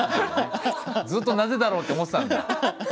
ずっと「なぜだろう？」って思ってたんだ。